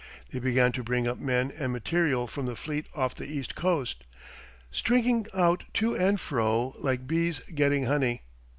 They began to bring up men and material from the fleet off the east coast, stringing out to and fro like bees getting honey.